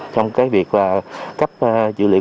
trong cái việc là cấp dự liệu